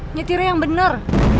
nyetirnya yang bener